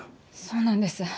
そうなんです。